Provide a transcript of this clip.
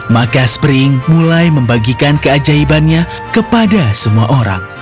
maka spring mulai membagikan keajaibannya kepada semua orang